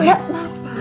iya jangan gak apa apa